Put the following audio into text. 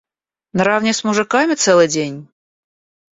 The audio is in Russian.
Наравне с мужиками целый день?